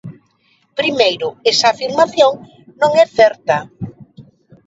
Primeiro, esa afirmación non é certa.